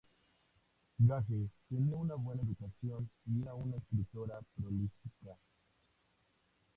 Gage tenía una buena educación y era una escritora prolífica.